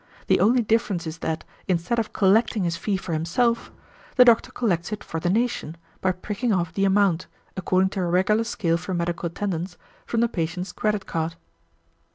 The only difference is that, instead of collecting his fee for himself, the doctor collects it for the nation by pricking off the amount, according to a regular scale for medical attendance, from the patient's credit card."